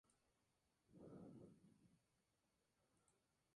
El Sutjeska salvó la categoría tras vencer en el playoff.